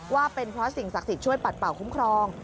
ว่าเป็นเพราะสิ่งศักดิ์สิทธิ์ช่วยปัดเป่าคุ้มครอง